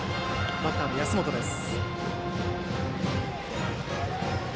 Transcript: バッターの安本です。